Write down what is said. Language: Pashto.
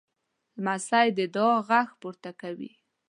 لمسی د دعا غږ پورته کوي.